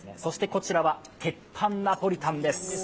こちらは鉄板ナポリタンです。